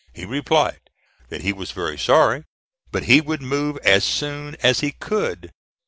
He replied that he was very sorry, but he would move as soon as he could.